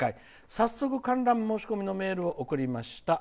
早速、観覧申し込みのメールを送りました。